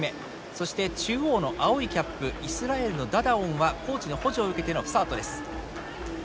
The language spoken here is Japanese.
そして中央の青いキャップイスラエルのダダオンはコーチの補助を受けてのスタートです。